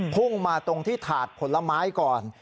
พุ่งมาตรงที่ถาดผลไม้ก่อน